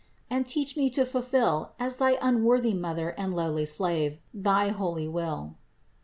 2, 8) ; and teach me to fulfill as thy unworthy Mother and lowly slave, thy holy will."